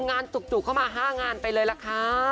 งานจู๊กอยู่เข้ามา๕งานไปเลยแหละค่ะ